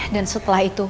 dan setelah itu